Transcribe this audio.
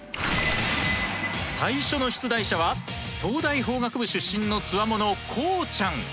最初の出題者は東大法学部出身のつわものこうちゃん。